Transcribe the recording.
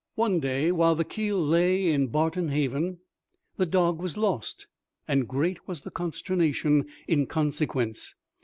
One day, while the keel lay in Barton Haven, the dog was lost, and great was the consternation in consequence.